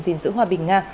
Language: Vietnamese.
gìn giữ hòa bình nga